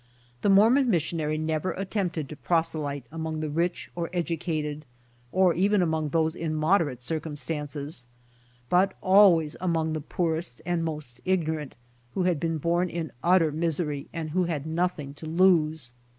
The Mormbn mis sionary never attempted to proselyte among the rich or educated, or even among those in moderate cir cumstances, but always among the poorest and most ignorant, who had been born in utter misery and" who had nothing to lose.